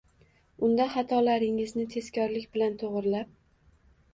unda xatolaringizni tezkorlik bilan to‘g‘rilab